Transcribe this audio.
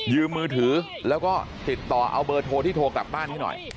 มือถือแล้วก็ติดต่อเอาเบอร์โทรที่โทรกลับบ้านให้หน่อย